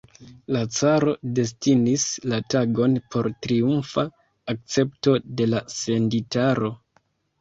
La caro destinis la tagon por triumfa akcepto de la senditaro.